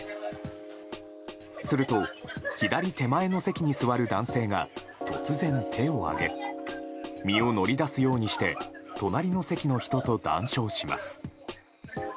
すると、左手前の席に座る男性が突然、手を上げ身を乗り出すようにして隣の席の人と談笑します。